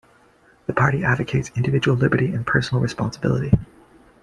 The party advocates individual liberty and personal responsibility.